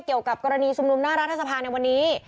เกี่ยวกับกรณีชุมนุมหน้ารัฐสภาในวันนี้